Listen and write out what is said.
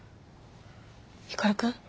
光くん？